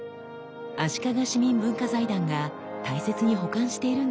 足利市民文化財団が大切に保管しているんだそう。